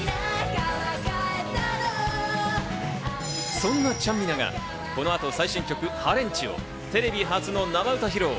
そんな、ちゃんみながこの後、最新曲『ハレンチ』をテレビ初の生歌披露。